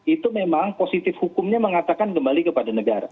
itu memang positif hukumnya mengatakan kembali kepada negara